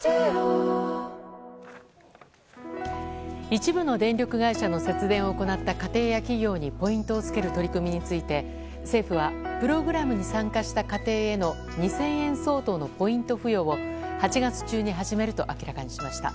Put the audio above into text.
一部の電力会社の節電を行った家庭や企業にポイントを付ける取り組みについて政府はプログラムに参加した家庭への２０００円相当のポイント付与を８月中に始めると明らかにしました。